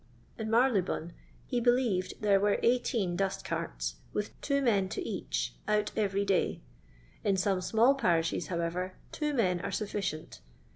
In Marylebone he believed there were eighteen dustcarts, with two men to each, out every day ; in some small parishes, however, two men are sufficient.